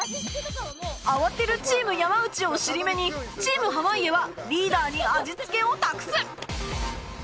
慌てるチーム山内を尻目にチーム濱家はリーダーに味付けを託す